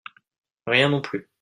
Rien non plus